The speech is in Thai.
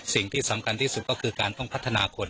สิ่งที่สำคัญที่สุดก็คือการต้องพัฒนาคน